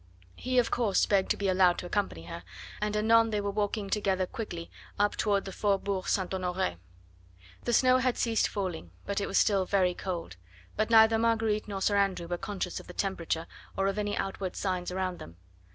He, of course, begged to be allowed to accompany her, and anon they were walking together quickly up toward the Faubourg St. Honore. The snow had ceased falling, but it was still very cold, but neither Marguerite nor Sir Andrew were conscious of the temperature or of any outward signs around them.